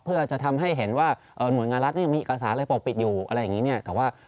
เพื่อทำให้เห็นว่าหน่วยงานรัฐ